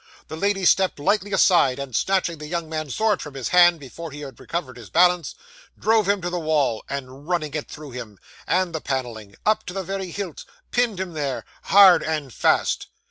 The lady stepped lightly aside, and snatching the young man's sword from his hand, before he had recovered his balance, drove him to the wall, and running it through him, and the panelling, up to the very hilt, pinned him there, hard and fast.